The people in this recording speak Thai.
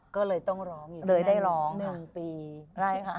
ก็เลยต้องร้องอยู่ที่นั่น๑ปีใช่ค่ะเลยได้ร้องค่ะใช่ค่ะ